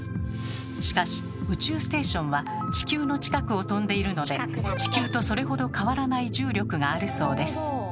しかし宇宙ステーションは地球の近くを飛んでいるので地球とそれほど変わらない重力があるそうです。